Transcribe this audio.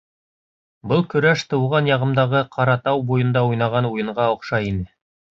Был көрәш тыуған яғымдағы Ҡара Тау буйында уйнаған уйынға оҡшай ине.